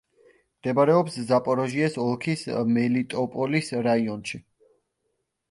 მდებარეობს ზაპოროჟიეს ოლქის მელიტოპოლის რაიონში.